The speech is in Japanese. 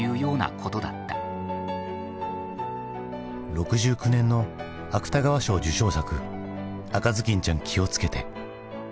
６９年の芥川賞受賞作「赤頭巾ちゃん気をつけて」。